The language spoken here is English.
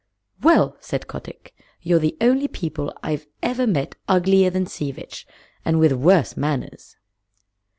"Well!" said Kotick. "You're the only people I've ever met uglier than Sea Vitch and with worse manners."